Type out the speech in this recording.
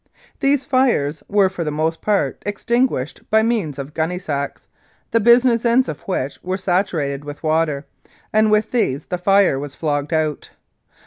These fires were for the most part extinguished by means of gunny sacks, the business ends of which were saturated with water, and with these the fire was flogged out.